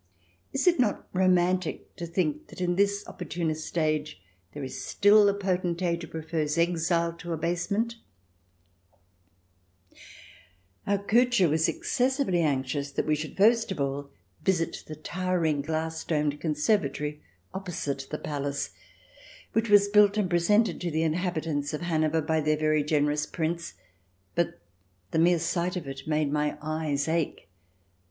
Is it not romantic to think that in this opportunist age there is still a potentate who prefers exile to abasement ? Our Kutscher was excessively anxious that we should first of all visit the towering glass domed conservatory opposite the palace, which was built and presented to the inhabitants of Hanover by their very generous Prince, but the mere sight of it made my eyes ache.